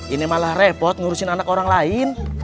ini malah repot ngurusin anak orang lain